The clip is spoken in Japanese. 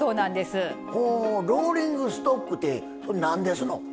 ほローリングストックってそれ何ですの？